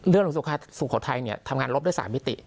เรือหลวงสุขไทยเนี่ยทำงานลบได้๓มิติ